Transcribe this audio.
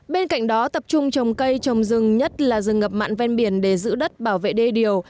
bên cạnh đó tập trung trồng cây trồng rừng nhất là rừng ngập mặn ven biển để giữ đất bảo vệ đê điều